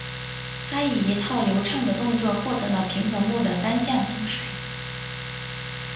她以一套流畅的动作获得了平衡木的单项金牌。